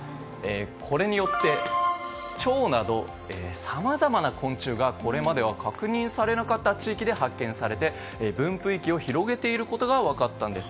これによってチョウなどさまざまな昆虫がこれまでは確認されなかった地域で発見されて分布域を広げていることが分かったんです。